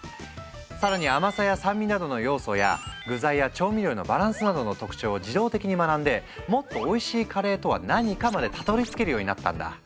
更に甘さや酸味などの要素や具材や調味料のバランスなどの特徴を自動的に学んでもっとおいしいカレーとは何かまでたどりつけるようになったんだ。